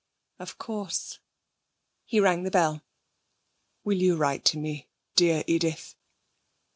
Of course.' He rang the bell. 'Will you write to me, dear Edith?'